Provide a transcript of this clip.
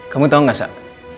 kamu tau gak sak